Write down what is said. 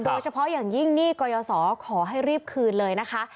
โดยเฉพาะอย่างยิ่งหนี้กรยศขอให้รีบคืนเลยนะคะ